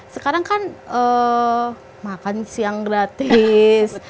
sekarang kan makan siang gratis